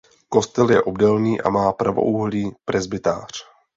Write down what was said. Kostel je obdélný a má pravoúhlý presbytář.